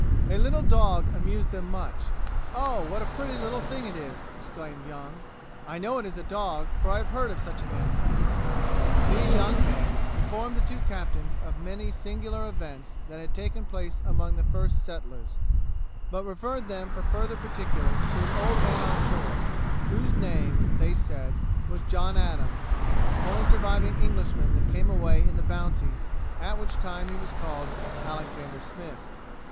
A little dog amused them much. 'Oh! what a pretty little thing it is!' exclaimed Young, 'I know it is a dog, for I have heard of such an animal.' These young men informed the two captains of many singular events that had taken place among the first settlers, but referred them for further particulars to an old man on shore, whose name, they said, was John Adams, the only surviving Englishman that came away in the Bounty, at which time he was called Alexander Smith.